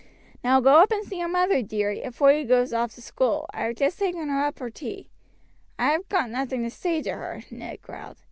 Now go up and see your mother, dearie, afore you goes off to school. I have just taken her up her tea." "I have got nothing to say to her," Ned growled.